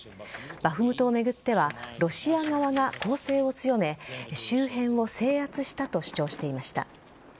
バフムトを巡ってはロシア側が攻勢を強め周辺を制圧したと主張していました。